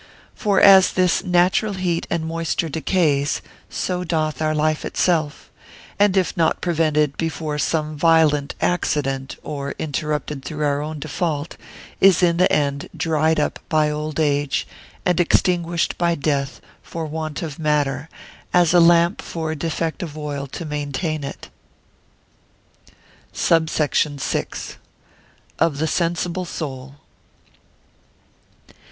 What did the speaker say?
For as this natural heat and moisture decays, so doth our life itself; and if not prevented before by some violent accident, or interrupted through our own default, is in the end dried up by old age, and extinguished by death for want of matter, as a lamp for defect of oil to maintain it. SUBSECT. VI.—Of the sensible Soul.